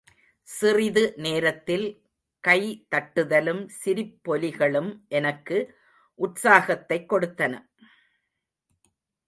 சிறிது நேரத்தில் கை தட்டுதலும், சிரிப்பொலிகளும் எனக்கு உற்சாகத்தைக் கொடுத்தன.